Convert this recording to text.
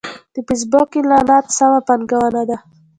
د فېسبوک اعلانات سمه پانګونه ده.